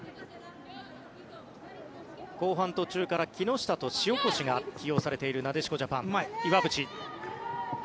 後半途中から木下と塩越が起用されているなでしこジャパン。